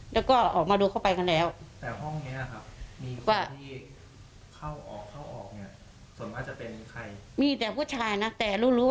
แล้วก็ออกมาดูเข้าไปกันแล้ว